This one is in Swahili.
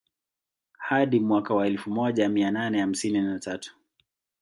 Hadi mwaka wa elfu moja mia nane hamsini na tatu